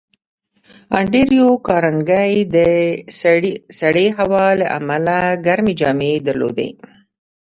انډریو کارنګي د سړې هوا له امله ګرمې جامې درلودې